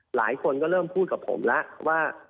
หลายคนก็เริ่มพูดกับผมแล้วว่า